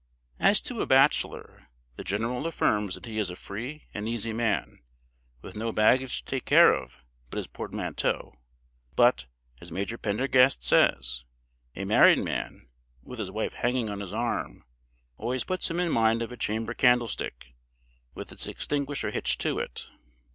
As to a bachelor, the general affirms that he is a free and easy man, with no baggage to take care of but his portmanteau; but, as Major Pendergast says, a married man, with his wife hanging on his arm, always puts him in mind of a chamber candlestick, with its extinguisher hitched to it.